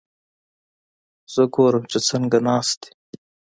زه ګورم چې څنګه ناست دي؟